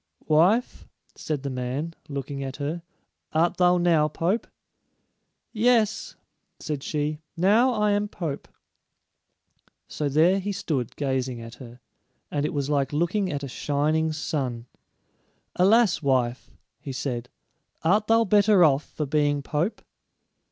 "Wife," said the man, looking at her, "art thou now pope?" "Yes," said she; "now I am pope." So there he stood gazing at her, and it was like looking at a shining sun. "Alas, wife," he said, "art thou better off for being pope?"